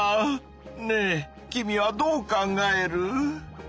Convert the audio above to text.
ねえ君はどう考える？